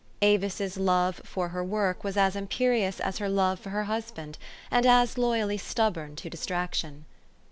Avis' s love for her work was as imperious as her love for her hus band, and as loyally stubborn to distraction.